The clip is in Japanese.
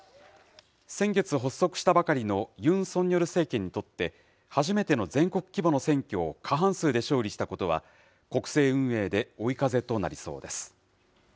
先月発足したばかりのユン・ソンニョル政権にとって、初めての全国規模の選挙を過半数で勝利したことは、国政運営で追い風となりそうです。